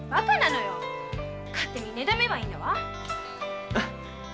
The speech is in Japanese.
勝手にねためばいいんだわ。